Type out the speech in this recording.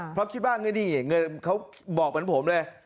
เพราะคิดว่าเงินนี่เงินเขาบอกเหมือนผมเลย